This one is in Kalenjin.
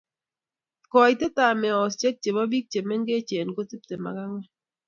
Koitetab meosiek chebo. Bik che mengech ko tiptem ak angwan